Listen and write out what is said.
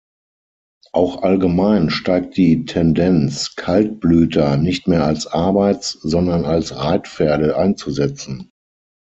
Auch allgemein steigt die Tendenz, Kaltblüter nicht mehr als Arbeits-, sondern als Reitpferde einzusetzen.